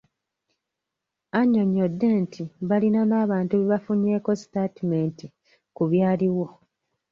Annyonnyodde nti balina n'abantu be bafunyeeko sitaatimenti ku byaliwo.